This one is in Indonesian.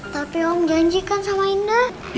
tapi om janjikan sama indah